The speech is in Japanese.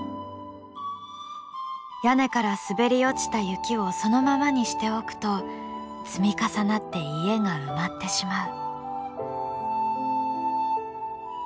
屋根から滑り落ちた雪をそのままにしておくと積み重なって家が埋まってしまう。